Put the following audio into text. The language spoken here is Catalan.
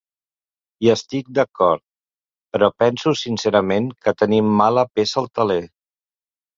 Hi estic d’acord, però penso sincerament que tenim mala peça al teler.